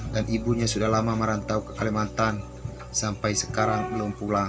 dan ibunya sudah lama merantau ke kalimantan sampai sekarang belum pulang